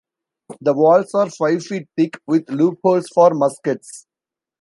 The walls are five feet thick with loopholes for muskets.